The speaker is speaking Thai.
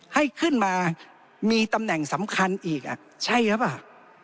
ให้ขึ้นมามีตำแหน่งสำคัญอีกใช่หรือเปล่า